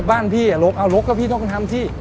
บ้านพี่ลกเอาลกก็พี่ต้องทำสิ